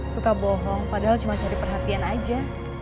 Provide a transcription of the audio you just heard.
suka bohong padahal cuma cari perhatian aja